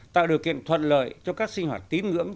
tạo điều kiện thuận lợi cho các sinh hoạt tín ngưỡng